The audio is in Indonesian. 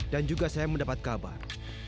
dan juga saya mendapat kabar